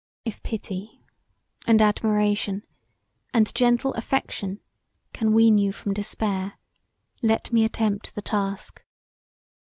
If pity, and admiration, and gentle affection can wean you from despair let me attempt the task.